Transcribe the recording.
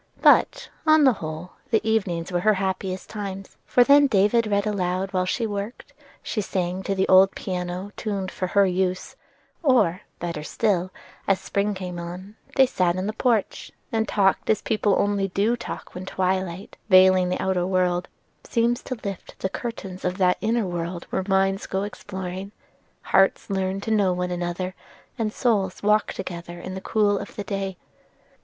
But, on the whole, the evenings were her happiest times: for then David read aloud while she worked; she sung to the old piano tuned for her use; or, better still, as spring came on, they sat in the porch, and talked as people only do talk when twilight, veiling the outer world, seems to lift the curtains of that inner world where minds go exploring, hearts learn to know one another, and souls walk together in the cool of the day.